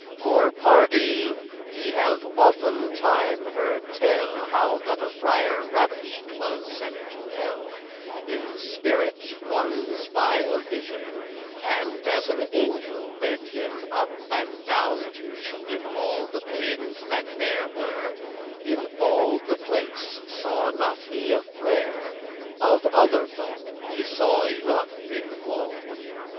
For, pardie, ye have often time heard tell, How that a friar ravish'd was to hell In spirit ones by a visioun, And, as an angel led him up and down, To shew him all the paines that there were, In all the place saw he not a frere; Of other folk he saw enough in woe.